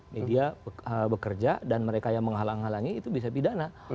media bekerja dan mereka yang menghalangi itu bisa pidana